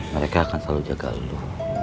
mereka akan selalu jaga dulu